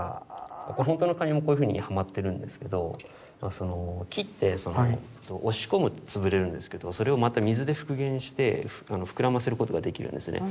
ほんとのカニもこういうふうにはまってるんですけど木って押し込むと潰れるんですけどそれをまた水で復元して膨らませることができるんですね。